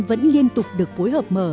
vẫn liên tục được phối hợp mở